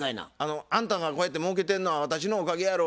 「あんたがこうやってもうけてんのは私のおかげやろ」